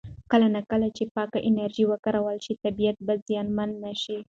کله نا کله چې پاکه انرژي وکارول شي، طبیعت به زیانمن نه شي.